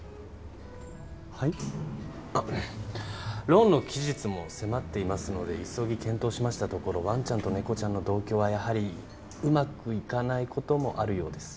ローンの期日も迫っていますので急ぎ検討しましたところワンちゃんと猫ちゃんの同居はやはりうまくいかないこともあるようです。